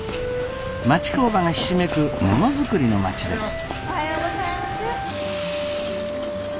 町工場がひしめくものづくりの町です。